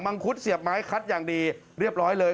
งคุดเสียบไม้คัดอย่างดีเรียบร้อยเลย